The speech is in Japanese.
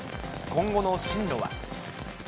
今後の進路は。